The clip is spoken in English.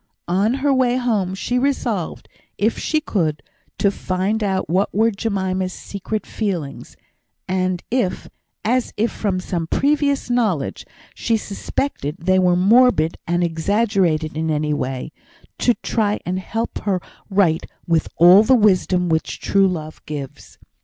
On her way home she resolved, if she could, to find out what were Jemima's secret feelings; and if (as, from some previous knowledge, she suspected) they were morbid and exaggerated in any way, to try and help her right with all the wisdom which true love gives.